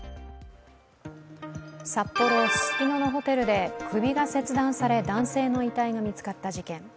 札幌・ススキノのホテルで首が切断され、男性の遺体が見つかった事件。